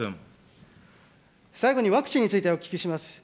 最後にワクチンについてお聞きします。